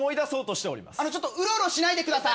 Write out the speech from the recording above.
あのちょっとうろうろしないでください。